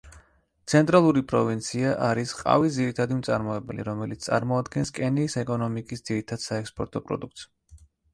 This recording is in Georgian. ცენტრალური პროვინცია არის ყავის ძირითადი მწარმოებელი, რომელიც წარმოადგენს კენიის ეკონიმიკის ძირითად საექსპორტო პროდუქტს.